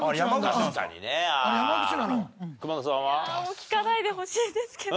聞かないでほしいですけど。